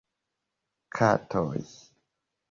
Katoj